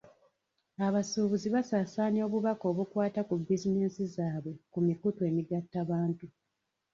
Abasuubuzi basaasaanya obubaka obukwata ku bizinensi zaabwe ku mikutu emigattabantu.